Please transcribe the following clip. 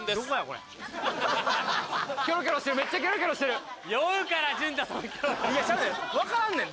これキョロキョロしてるめっちゃキョロキョロしてる酔うからジュンタそれいやちゃうねん分からんねん